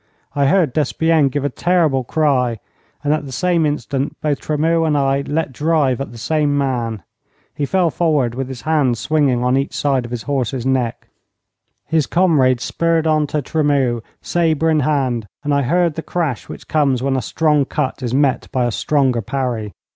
I heard Despienne give a terrible cry, and at the same instant both Tremeau and I let drive at the same man. He fell forward with his hands swinging on each side of his horse's neck. His comrade spurred on to Tremeau, sabre in hand, and I heard the crash which comes when a strong cut is met by a stronger parry.